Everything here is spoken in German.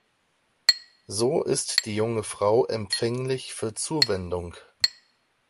So ist die junge Frau empfänglich für Zuwendung.